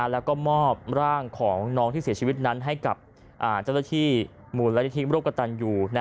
แล้วก็มอบร่างของน้องที่เสียชีวิตนั้นให้กับเจ้าหน้าที่มูลนิธิมโรคกระตันอยู่